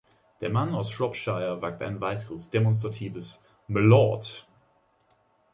Der Mann aus Shropshire wagt ein weiteres demonstratives „Mylord!“